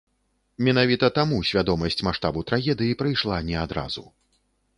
Менавіта таму свядомасць маштабу трагедыі прыйшла не адразу.